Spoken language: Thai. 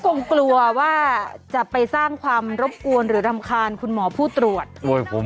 คงกลัวว่าจะไปสร้างความรบกวนหรือรำคาญคุณหมอผู้ตรวจ